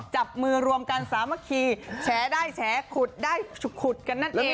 จับมือรวมกันสามัคคีแฉได้แฉขุดได้ขุดกันนั่นเอง